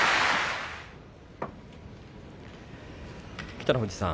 北の富士さん